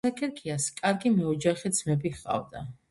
ნაცარქექიას კარგი მეოჯახე ძმები ჰყავდა.